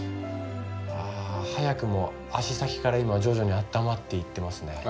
あ早くも足先から今徐々にあったまっていってますね。